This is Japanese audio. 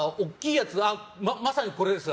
まさにこれです。